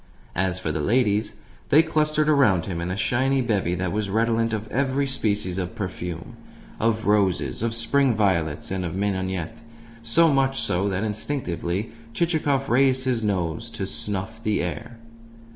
As for the ladies, they clustered around him in a shining bevy that was redolent of every species of perfume of roses, of spring violets, and of mignonette; so much so that instinctively Chichikov raised his nose to snuff the air.